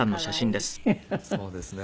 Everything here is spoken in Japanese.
そうですね。